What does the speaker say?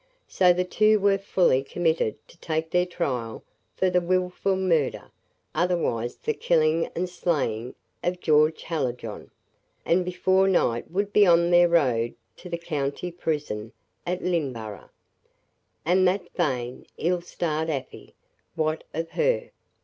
So the two were fully committed to take their trial for the "Wilful murder, otherwise the killing and slaying of George Hallijohn;" and before night would be on their road to the county prison at Lynneborough. And that vain, ill starred Afy! What of her?